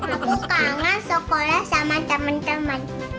aku kangen sekolah sama teman teman